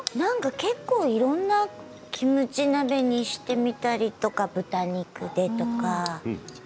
結構いろんなキムチ鍋にしてみたりとか豚肉でとか。